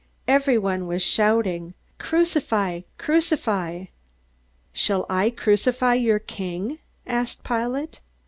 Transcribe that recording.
Everyone was shouting: "Crucify! Crucify!" "Shall I crucify your king?" asked Pilate.